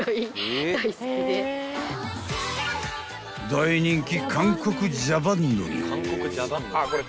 ［大人気］